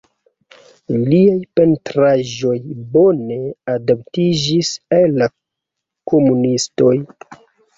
Liaj pentraĵoj bone adaptiĝis al la komunistoj.